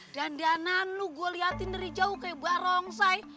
dandanan lu gua liatin dari jauh kayak barongsai